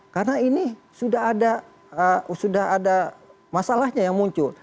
karena ini sudah ada masalahnya yang muncul